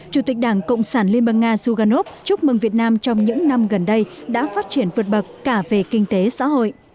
chủ tịch đảng cộng sản liên bang nga zuganov chúc mừng việt nam trong những năm gần đây đã phát triển vượt bậc cả về kinh tế xã hội